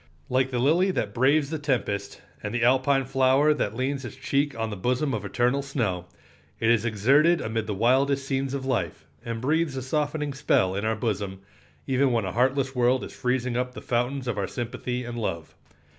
Like the lily that braves the tempest, and the "Alpine flower that leans its cheek on the bosom of eternal snow," it is exerted amid the wildest scenes of life, and breathes a softening spell in our bosom, even when a heartless world is freezing up the fountains of our sympathy and love.